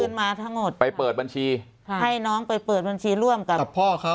มาทั้งหมดไปเปิดบัญชีค่ะให้น้องไปเปิดบัญชีร่วมกันกับพ่อเขา